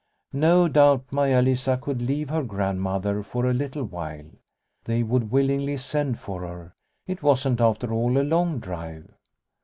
No doubt Maia Lisa could leave her Grand mother for a little while. They would willingly send for her. It wasn't after all a long drive.